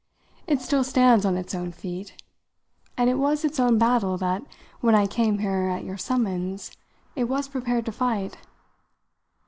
It still stands on its own feet, and it was its own battle that, when I came here at your summons, it was prepared to fight.